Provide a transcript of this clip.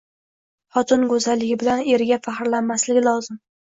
Xotin go‘zalligi bilan eriga faxrlanmasligi lozim.